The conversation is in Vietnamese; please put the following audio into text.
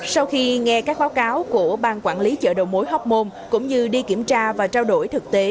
sau khi nghe các khóa cáo của bang quản lý chợ đầu mối hồ hồ hồ hồn cũng như đi kiểm tra và trao đổi thực tế